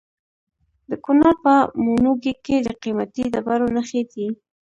د کونړ په ماڼوګي کې د قیمتي ډبرو نښې دي.